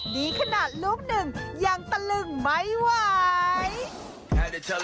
ดีขนาดลูกหนึ่งยังตะลึงไม่ไหว